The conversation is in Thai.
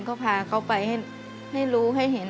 เขาพาเขาไปให้รู้ให้เห็น